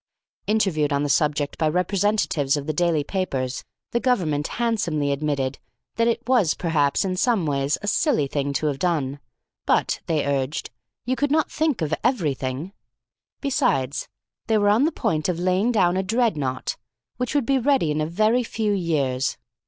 Interviewed on the subject by representatives of the daily papers, the Government handsomely admitted that it was perhaps in some ways a silly thing to have done; but, they urged, you could not think of everything. Besides, they were on the point of laying down a Dreadnought, which would be ready in a very few years.